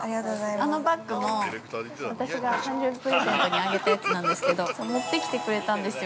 あのバッグも私が誕生日プレゼントにあげたやつなんですけど持ってきてくれたんですよ